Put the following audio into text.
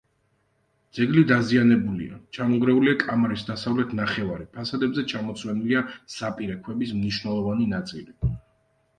ძეგლი დაზიანებულია: ჩამონგრეულია კამარის დასავლეთ ნახევარი, ფასადებზე ჩამოცვენილია საპირე ქვების მნიშვნელოვანი ნაწილი.